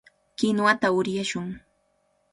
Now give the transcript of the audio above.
Kinuwata uryashun.